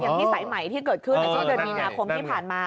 ที่สายใหม่ที่เกิดขึ้นช่วงเดือนมีนาคมที่ผ่านมา